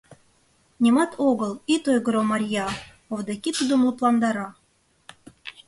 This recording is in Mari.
— Нимат огыл, ит ойгыро, Марья, — Овдаки тудым лыпландара.